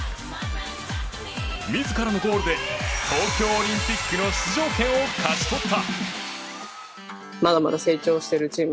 自らのゴールで東京オリンピックの出場権を勝ち取った。